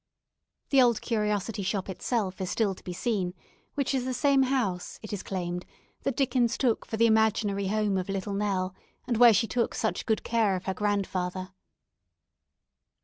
"'The Old Curiosity Shop' itself is still to be seen, which is the same house, it is claimed, that Dickens took for the imaginary home of 'Little Nell,' and where she took such good care of her grandfather."